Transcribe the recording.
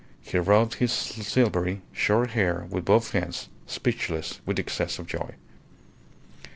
He rubbed his silvery, short hair with both hands, speechless with the excess of joy.